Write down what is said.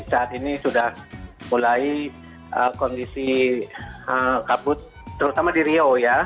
saat ini sudah mulai kondisi kabut terutama di riau ya